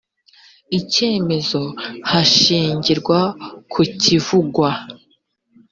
icyemezo hashingirwa ku kivugwa